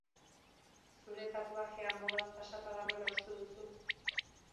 Zure tatuajea modaz pasata dagoela uste duzu?